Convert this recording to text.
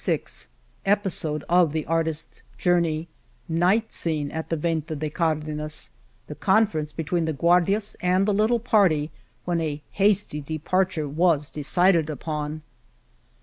22^ Episode of the artists journey : Night scene at the Venta de Cardenas, The conference between the guardias and the little party, when a hasty de parture was decided upon